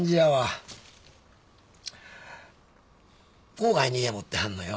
郊外に家持ってはんのよ。